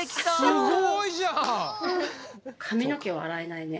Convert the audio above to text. すごいじゃん！